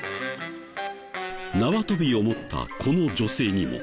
縄跳びを持ったこの女性にも。